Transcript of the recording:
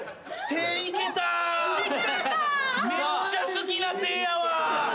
めっちゃ好きな手やわ！